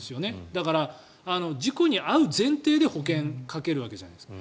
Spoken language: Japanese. だから、事故に遭う前提で保険をかけるわけじゃないですか。